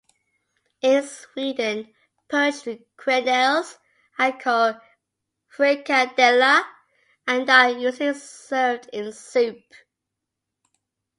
In Sweden, poached quenelles are called frikadeller and are usually served in soup.